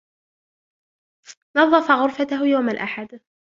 نظف غرفته يوم الاحد.